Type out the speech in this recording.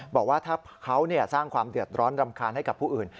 บอกว่าถ้าเขาสร้างความเดือดร้อนรำคาญให้กับผู้อื่น